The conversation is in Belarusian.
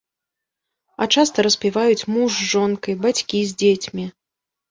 А часта распіваюць муж з жонкай, бацькі з дзецьмі.